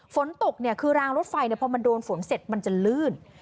ฝนตกเนี่ยคือรางรถไฟพอมันโดนฝนเสร็จมันจะลื่น